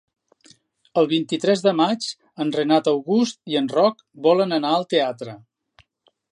El vint-i-tres de maig en Renat August i en Roc volen anar al teatre.